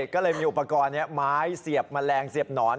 ก็เลยมีอุปกรณ์ไม้เสียบแมลงเสียบหนอน